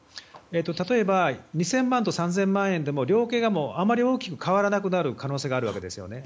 例えば２０００万と３０００万円でも量刑があまり大きく変わらなくなる可能性があるわけですよね。